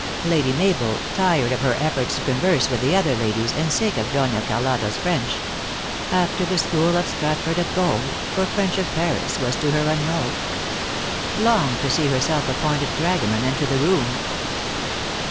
Lady Mabel, tired of her efforts to con verse with the other ladies, and sick of Dona Car lotta s French, " After the school of Stratford at bow, For French of Paris was to her unknow " longed to see her self appointed dragoman enter the room.